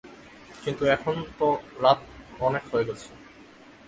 কিন্তু এখন তো রাত অনেক হয়ে গেছে।